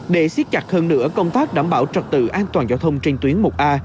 để siết chặt hơn nữa công tác đảm bảo trật tự an toàn giao thông trên tuyến một a